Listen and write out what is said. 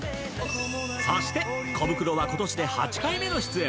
そしてコブクロは今年で８回目の出演！